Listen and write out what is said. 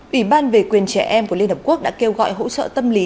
ủy ban về quyền trẻ em của liên hợp quốc đã kêu gọi hỗ trợ tâm lý